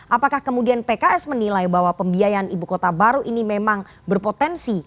apakah kemudian pks menilai bahwa pembiayaan ibu kota baru ini memang berpotensi